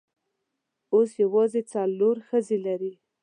اوس یوازې څلور ښځې لري.